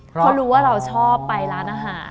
เพราะรู้ว่าเราชอบไปร้านอาหาร